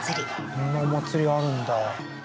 こんなお祭りあるんだ